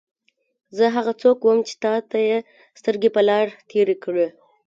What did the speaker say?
زه هغه څوک وم چې تا ته یې سترګې په لار تېرې کړې.